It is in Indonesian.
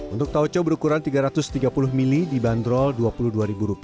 untuk taoco berukuran rp tiga ratus tiga puluh mili dibanderol rp dua puluh dua